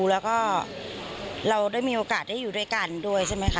แล้วก็เราได้มีโอกาสได้อยู่ด้วยกันด้วยใช่ไหมคะ